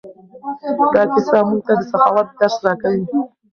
دا کیسه موږ ته د سخاوت درس راکوي.